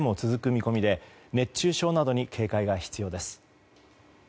見込みで熱中症などに警戒が必要です。